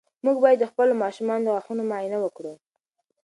موږ باید د خپلو ماشومانو د غاښونو معاینه وکړو.